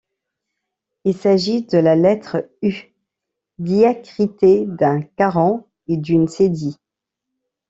Il s’agit de la lettre U diacritée d’un caron et d’une cédille.